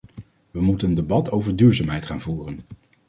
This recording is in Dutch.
We moeten een debat over duurzaamheid gaan voeren.